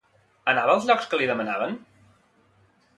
Anava als llocs que li demanaven?